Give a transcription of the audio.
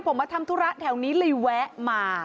ผมมาทำธุระแถวนี้เลยแวะมา